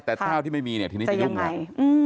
แต่ข้าวที่ไม่มีเนี่ยทีนี้จะยุ่งแล้ว